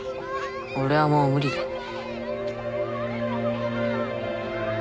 俺はもう無理だ。